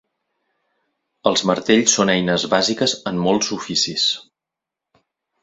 Els martells són eines bàsiques en molts oficis.